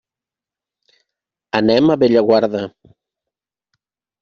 Anem a Bellaguarda.